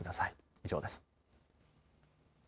以上です。